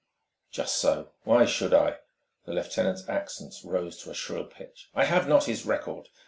"Just so: why should I?" The lieutenant's accents rose to a shrill pitch. "I have not his record